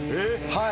はい。